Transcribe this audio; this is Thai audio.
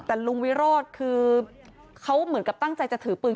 แต่ลุงวิโรธคือเขาเหมือนกับตั้งใจจะถือปืน